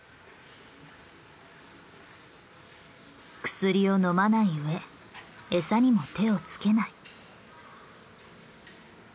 薬を飲まない上餌にも手を付けない。